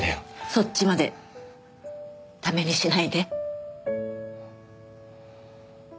そっちまで駄目にしないで。